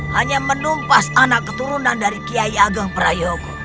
hanya menumpas anak keturunan dari kiai ageng prayogo